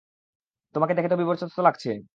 তোমাকে দেখে তো বিপর্যস্ত লাগছে।